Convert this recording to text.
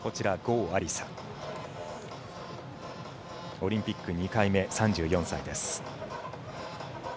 郷亜里砂オリンピック２回目、３４歳です。